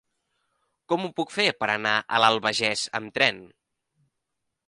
Com ho puc fer per anar a l'Albagés amb tren?